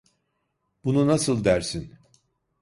Bunu nasıl dersin?